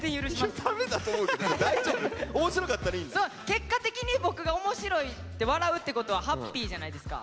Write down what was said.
結果的に僕が面白いって笑うってことはハッピーじゃないですか。